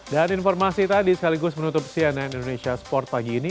dan informasi tadi sekaligus menutup cnn indonesia sport pagi ini